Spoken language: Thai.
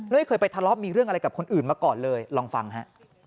ไม่เคยไปทะเลาะมีเรื่องอะไรกับคนอื่นมาก่อนเลยลองฟังฮะ